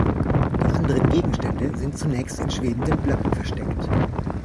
Die anderen Gegenstände sind zunächst in schwebenden Blöcken versteckt.